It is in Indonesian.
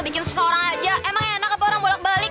bikin seseorang aja emang enak apa orang bolak balik